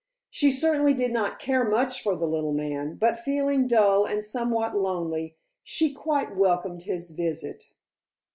She certainly did not care much for the little man, but feeling dull and somewhat lonely, she quite welcomed his visit.